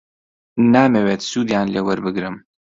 نامەوێت سوودیان لێ وەربگرم.